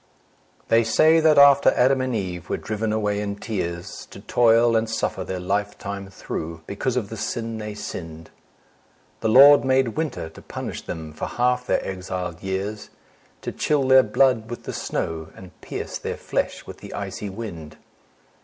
They say that after Adam and Eve were driven away in tears To toil and suffer their life time through, because of the sin they sinned, The Lord made Winter to punish them for half their exiled years, To chill their blood with the snow, and pierce their flesh with the icy wind.